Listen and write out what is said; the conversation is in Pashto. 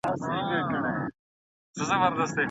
ټکسي ارزانه نه ده.